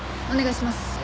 お願いします。